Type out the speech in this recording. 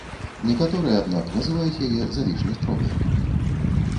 Некаторыя, аднак, называюць яе залішне строгай.